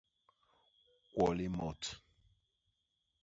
Kwo limot.